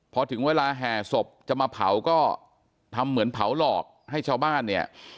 พอถึงเวลาแห่ศพจะมาเผาก็ทำเหมือนเผาหลอกให้ชาวบ้านเนี่ย